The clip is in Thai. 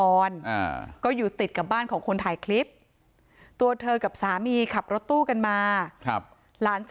หรอกก็อยู่ติดกับบ้านของคนของนางสมพร